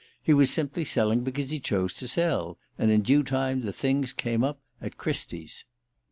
He was simply selling because he chose to sell; and in due time the things came up at Christie's.